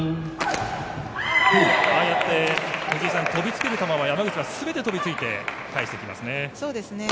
ああやって飛びつける球は山口は全て飛びついて返してきますね。